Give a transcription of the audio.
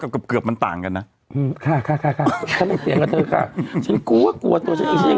กี่ปีแล้วว่า